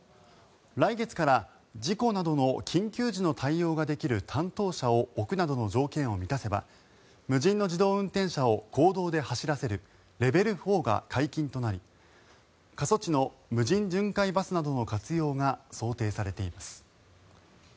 来月から事故などの緊急時の対応ができる担当者を置くなどの条件を満たせば無人の自動運転車を公道で走らせるレベル４が解禁となり過疎地の無人巡回バスなどの活用が想定されています。